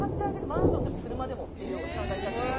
「マンションでも車でも」っていうおじさんがいたんですよ。